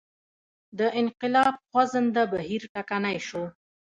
د انقلاب خوځنده بهیر ټکنی شو.